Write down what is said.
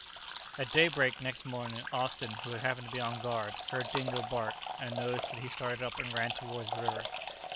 At daybreak, next morning, Austin, who happened to be on guard, heard Dingo bark, and noticed that he started up and ran towards the river.